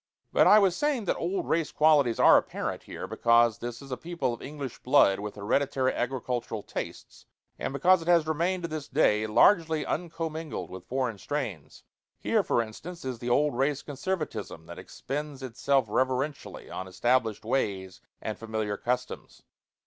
But I was saying that old race qualities are apparent here, because this is a people of English blood with hereditary agricultural tastes, and because it has remained to this day largely uncommingled with foreign strains. Here, for instance, is the old race conservatism that expends itself reverentially on established ways and familiar customs.